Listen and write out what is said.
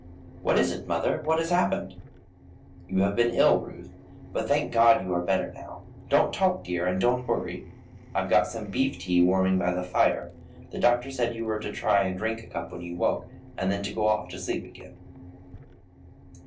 "What is it, mother, what has happened?" "You have been ill, Ruth, but thank God you are better now. Don't talk, dear, and don't worry. I have got some beef tea warming by the fire; the doctor said you were to try and drink a cup when you woke, and then to go off to sleep again."